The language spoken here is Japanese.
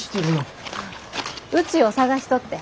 うちを探しとって。